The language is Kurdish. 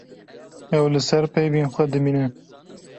Ew li ser peyvên xwe dimîne.